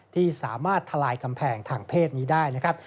ที่สามารถทลายกำแพงทางเพศนี้ได้นะครับ